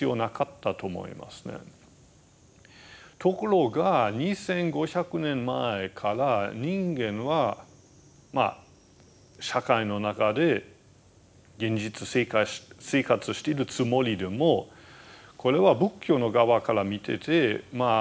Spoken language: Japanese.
ところが２，５００年前から人間はまあ社会の中で現実生活しているつもりでもこれは仏教の側から見ててまあ